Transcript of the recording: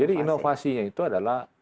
jadi inovasinya itu adalah